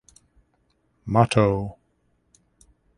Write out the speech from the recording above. Motto!